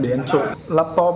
để em trộn laptop